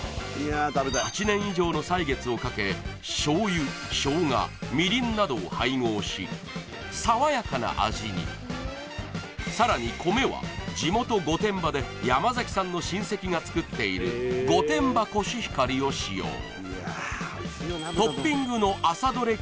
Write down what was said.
８年以上の歳月をかけ醤油ショウガみりんなどを配合し爽やかな味にさらに米は地元御殿場で山さんの親戚が作っている御殿場コシヒカリを使用トッピングの朝採れ